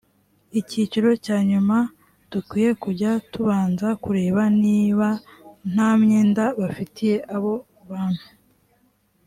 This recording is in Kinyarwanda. icyiciro cya nyuma dukwiye kujya tubanza kureba niba nta myenda bafitiye abo bantu